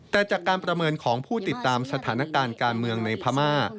แต่จากการประเมินของผู้ติดตามสถานการณ์การเมืองในพม่า